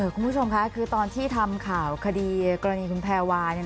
คุณผู้ชมค่ะคือตอนที่ทำข่าวคดีกรณีคุณแพรวา